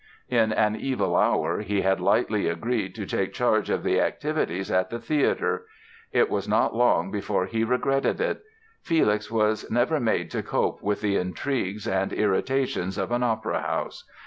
In an evil hour he had lightly agreed to take charge of the activities at the theatre. It was not long before he regretted it. Felix was never made to cope with the intrigues and irritations of an opera house.